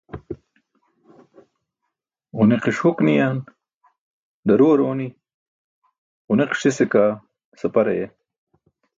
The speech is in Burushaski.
Ġuniqiṣ huk niyan daruwar ooni, ġuniqiṣ sise kaa sapar aye.